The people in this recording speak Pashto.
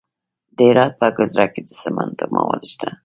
د هرات په ګذره کې د سمنټو مواد شته.